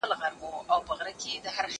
لوړ ځاى نه و، کښته زه نه کښېنستم.